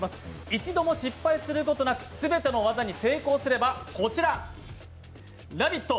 一度も失敗することなく全ての技に成功すればこちら、「ラヴィット！」